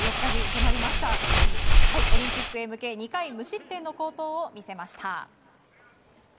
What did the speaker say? オリンピックへ向け２回無失点の好投を見せました。